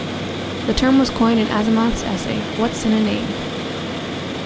The term was coined in Asimov's essay What's in a Name?